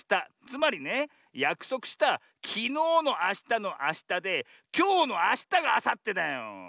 つまりねやくそくしたきのうのあしたのあしたできょうのあしたがあさってだよ。